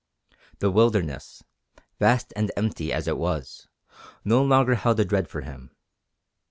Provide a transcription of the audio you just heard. The wilderness, vast and empty as it was, no longer held a dread for him.